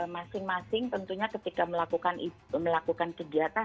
masing masing tentunya ketika melakukan kegiatan